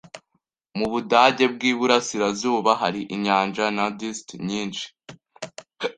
Mu Budage bwi Burasirazuba hari inyanja nudist nyinshi.